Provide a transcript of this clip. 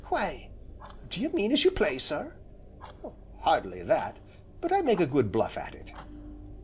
"Why do you mean as you play, sir?" "Hardly that, but I make a good bluff at it."